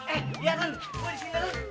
eh lihat kan gue disini